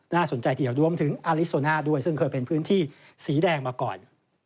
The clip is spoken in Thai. สนใจทีเดียวรวมถึงอลิโซน่าด้วยซึ่งเคยเป็นพื้นที่สีแดงมาก่อน